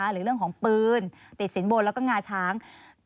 หรือเรื่องของปืนติดสินบนแล้วก็งาช้าง